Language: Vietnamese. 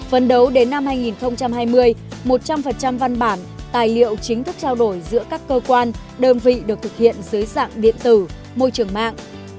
phần đầu đến năm hai nghìn hai mươi một trăm linh văn bản tài liệu chính thức trao đổi giữa các cơ quan đơn vị được thực hiện dưới dạng điện tử môi trường mạng